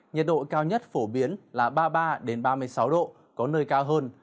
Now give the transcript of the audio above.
nhiệt độ cao nhất phổ biến là ba mươi ba ba mươi sáu độ có nơi cao hơn